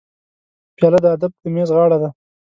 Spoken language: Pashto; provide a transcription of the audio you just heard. پیاله د ادب د میز غاړه ده.